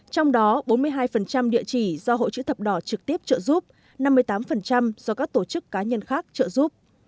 trong đó bốn mươi hai địa chỉ do hội chữ thập đỏ trực tiếp trợ giúp năm mươi tám do các tổ chức cá nhân khác trợ giúp